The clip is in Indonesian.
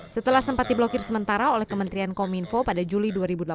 setelah sempat diblokir sementara oleh kementerian kominfo pada juli dua ribu delapan belas